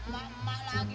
mak mak lagi